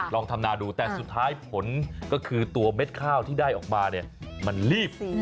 ลองทำนาดูแต่สุดท้ายผลก็คือตัวเม็ดข้าวที่ได้ออกมาเนี่ยมันรีบ